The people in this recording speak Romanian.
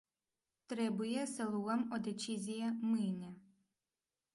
Trebuie să luăm o decizie mâine.